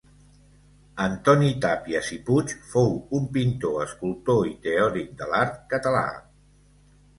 Antoni Tàpies i Puig fou un pintor, escultor i teòric de l'art català.